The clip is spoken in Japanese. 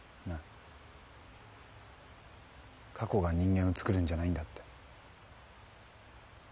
過去が人間をつくるんじゃないんだって。